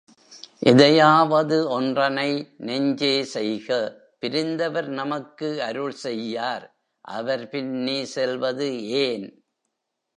எதையாவது ஒன்றனை நெஞ்சே செய்க. பிரிந்தவர் நமக்கு அருள் செய்யார் அவர்பின் நீ செல்வது ஏன்?